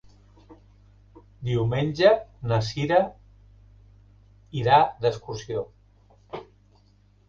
Diumenge na Cira irà d'excursió.